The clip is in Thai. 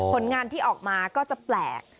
ผลงานที่ออกมาก็จะแปลก